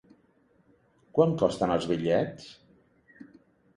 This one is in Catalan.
Quant costen els bitllets?